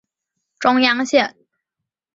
中央线